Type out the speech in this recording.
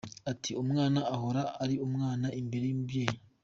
Ati “Umwana ahora ari umwana imbere y’umubyeyi.